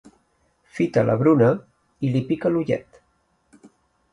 Fita la Bruna i li pica l'ullet.